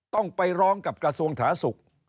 ต้องไปร้องกับกระทรวงถาศุกร์